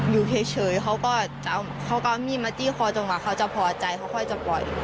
อยู่แค่เฉยเขาก็เอามีมัตตี้คอตรงหลังเขาจะพอใจเขาค่อยจะปล่อย